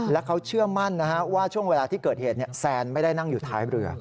และเขาเชื่อมั่นว่าช่วงเวลาที่เกิดเหตุแซนไม่ได้นั่งอยู่ท้ายเรือ